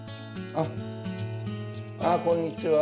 ああこんにちは。